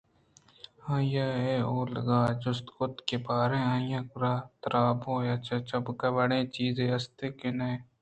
آئیءَ اولگا جست کُت کہ باریں آئی ءِ کِرّا ترّاب یا چابُک وڑیں چیزے است کہ ناں